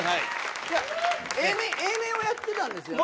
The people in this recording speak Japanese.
Ａ面をやってたんですよね。